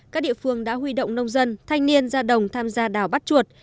các địa phương đã huy động nông dân thanh niên ra đồng tham gia đào bắt chuột